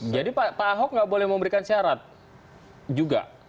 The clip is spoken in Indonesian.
jadi pak ahok nggak boleh memberikan syarat juga